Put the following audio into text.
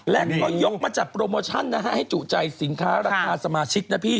และก็ยกมาจัดโปรโมชั่นนะฮะให้จุใจสินค้าราคาสมาชิกนะพี่